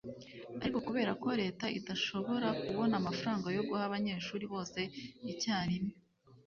Ariko kubera ko leta itashobora kubona amafaranga yo guha abanyeshuri bose icyarimwe